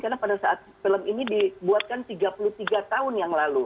karena pada saat film ini dibuatkan tiga puluh tiga tahun yang lalu